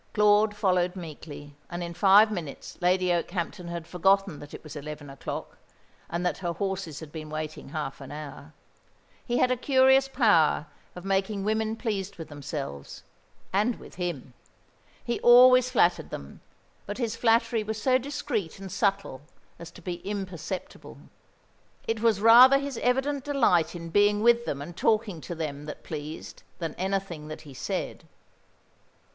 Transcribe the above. Claude followed meekly, and in five minutes Lady Okehampton had forgotten that it was eleven o'clock, and that her horses had been waiting half an hour. He had a curious power of making women pleased with themselves, and with him. He always flattered them; but his flattery was so discreet and subtle as to be imperceptible. It was rather his evident delight in being with them and talking to them that pleased, than anything that he said.